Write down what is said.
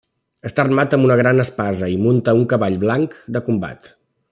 Està armat amb una gran espasa i munta un cavall blanc de combat.